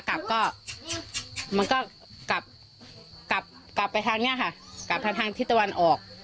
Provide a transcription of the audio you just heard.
กลับก็มันก็กลับไปทางเนี่ยค่ะกลับทางที่ตะวันออก